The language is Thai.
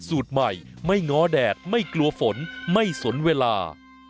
สูตรใหม่ไม่ง้อแดดไม่กลัวฝนไม่สนเวลา